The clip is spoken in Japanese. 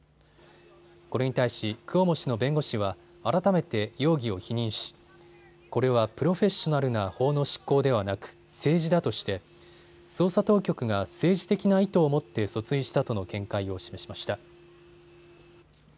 これに対しクオモ氏の弁護士は改めて容疑を否認しこれはプロフェッショナルな法の執行ではなく、政治だとして捜査当局が政治的な意図を持って訴追したとの見解を示しました。